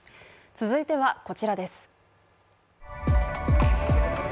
続いてはこちらです。